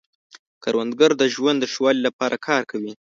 کروندګر د ژوند د ښه والي لپاره کار کوي